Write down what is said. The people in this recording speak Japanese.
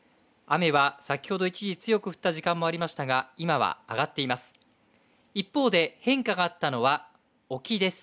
雨は先ほど一時強く降った時間もありましたが今は上がっています。